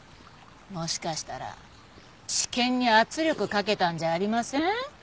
もしかしたら地検に圧力かけたんじゃありません？